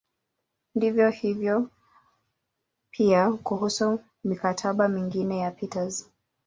Hivyo ndivyo pia kuhusu "mikataba" mingine ya Peters.